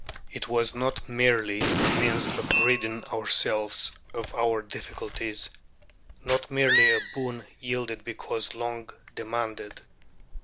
It was not merely a means of ridding ourselves of our difficulties, not merely a boon yielded because long demanded.